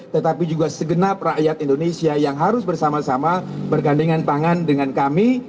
tetapi juga segenap rakyat indonesia yang harus bersama sama bergandengan tangan dengan kami